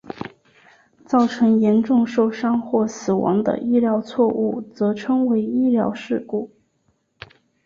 造成严重受伤或死亡的医疗错误则称为医疗事故。